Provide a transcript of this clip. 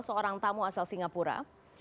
seorang tamu asal singapura